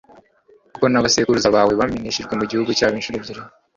kuko n'abasekuruza bawe bameneshejwe mu gihugu cyabo incuro ebyiri